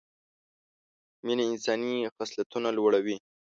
مینه انساني خصلتونه لوړه وي